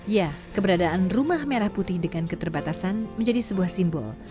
ya keberadaan rumah merah putih dengan keterbatasan menjadi sebuah simbol